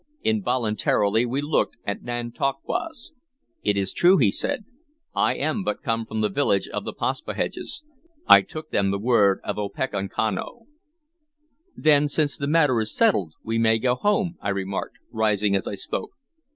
Involuntarily we looked at Nantauquas. "It is true," he said. "I am but come from the village of the Paspaheghs. I took them the word of Opechancanough." "Then, since the matter is settled, we may go home," I remarked, rising as I spoke.